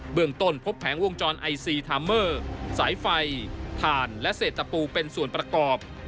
เมืองต้นพบแผงวงจรไอซีทาเมอร์สายไฟถ่านและเศษตะปูเป็นส่วนประกอบ